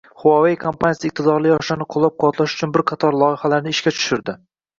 Huawei kompaniyasi iqtidorli yoshlarni qo‘llab-quvvatlash uchun bir qator loyihalarni ishga tushirdi